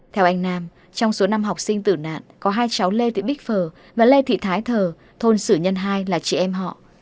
theo anh nam trong số năm học sinh tử nạn có hai cháu lê thị bích phở và lê thị thái thờ thôn sử nhân hai là chị em họ